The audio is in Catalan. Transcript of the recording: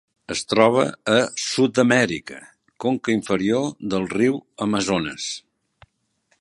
Es troba a Sud-amèrica: conca inferior del riu Amazones.